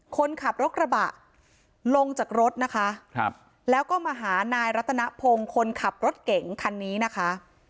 คนขับรถกระบะลงจากรถนะคะแล้วก็มาหานายรัตนพงศ์คนขับรถเก่งคันนี้นะคะ